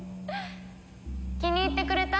気に入ってくれた？